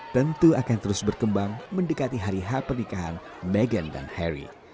tentu akan terus berkembang mendekati hari h pernikahan meghan dan harry